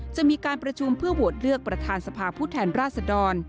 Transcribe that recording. จะมีการประชุมเพื่อโหวตเลือกประธานสภาผู้แทนราชดร